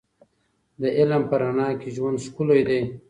د علم په رڼا کې ژوند ښکلی دی.